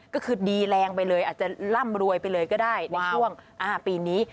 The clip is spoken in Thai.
ก็คือดีแรงไปเลยอาจจะร่ำรวยไปเลยก็ได้ในช่วงปีนี้